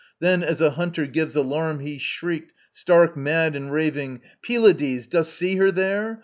Then, as a hunter gives alarm, He shrieked, stark mad and raving: "Pylades, Dost see her there?